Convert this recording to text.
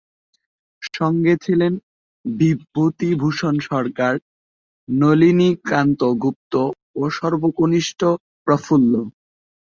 সংগে ছিলেন বিভূতিভূষণ সরকার, নলিনীকান্ত গুপ্ত ও সর্বকনিষ্ঠ প্রফুল্ল।